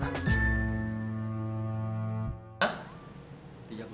jangan vissi aku